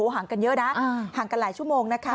ห่างกันเยอะนะห่างกันหลายชั่วโมงนะคะ